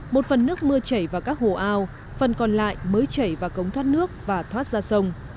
một phần nước mưa chảy vào các hồ ao phần còn lại mới chảy vào cống thoát nước và thoát ra sông